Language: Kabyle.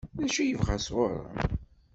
D acu i yebɣa sɣur-m?